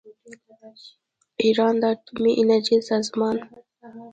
ایران د اتومي انرژۍ د سازمان